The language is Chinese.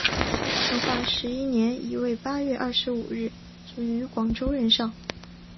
成化十一年乙未八月二十五日卒于广州任上。